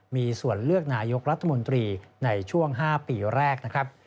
มีส่วนเลือกนายกรัฐมนตรีในช่วง๕ปีแรกนะครับ